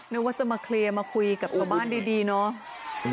นึกว่าจะมาเคลียร์มาคุยกับชาวบ้านดีเนาะ